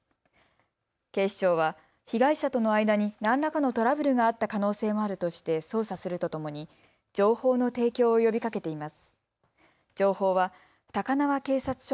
警視庁は被害者との間に何らかのトラブルがあった可能性もあるとして捜査するとともに情報の提供を呼びかけています。